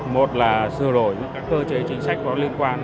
một là sửa đổi các cơ chế chính sách có liên quan